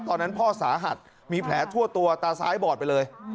ตอนนั้นพ่อสาหัสมีแผลทั่วตัวตาซ้ายบอดไปเลย